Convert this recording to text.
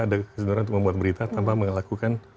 ada keseluruhan untuk membuat berita tanpa melakukan